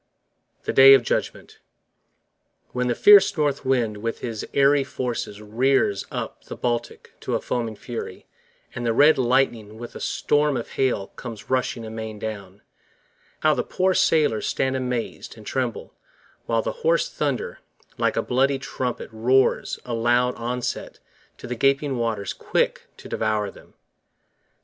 The Day of Judgement WHEN the fierce North wind with his airy forces Rears up the Baltic to a foaming fury; And the red lightning with a storm of hail comes Rushing amain down; How the poor sailors stand amazed and tremble, 5 While the hoarse thunder, like a bloody trumpet, Roars a loud onset to the gaping waters Quick to devour them.